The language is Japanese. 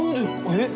えっ？